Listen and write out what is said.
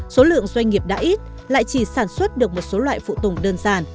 số lượng doanh nghiệp đã ít lại chỉ sản xuất được một số loại phụ tùng đơn giản